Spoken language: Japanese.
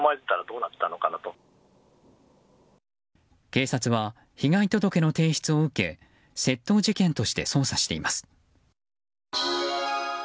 警察は、被害届の提出を受け窃盗事件として捜査しています。